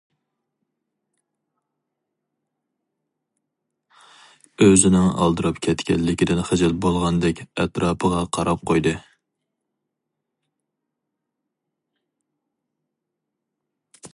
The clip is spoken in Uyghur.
ئۆزىنىڭ ئالدىراپ كەتكەنلىكىدىن خىجىل بولغاندەك ئەتراپىغا قاراپ قويدى.